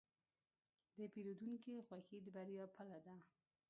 د پیرودونکي خوښي د بریا پله ده.